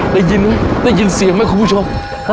ได้ยินไหมได้ยินเสียงไหมคุณผู้ชม